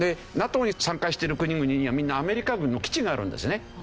でＮＡＴＯに参加してる国々にはみんなアメリカ軍の基地があるんですね。